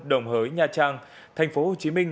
đồng hới nha trang tp hcm